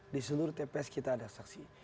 di seluruh tps kita ada saksi